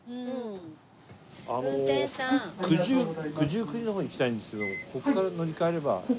あの九十九里の方行きたいんですけどもここから乗り換えればいい？